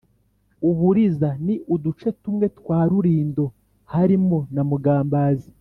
Uburiza Ni uduce tumwe twa Rulindo harimo za Mugambazi